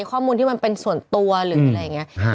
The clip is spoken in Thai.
ข้อมูลที่มันเป็นส่วนตัวหรืออังงี้